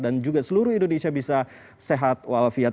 dan juga seluruh indonesia bisa sehat walafiat